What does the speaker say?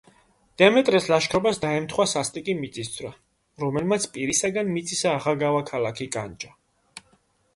დემეტრეს ლაშქრობას დაემთხვა სასტიკი მიწისძვრა, რომელმაც პირისაგან მიწისა აღგავა ქალაქი განჯა.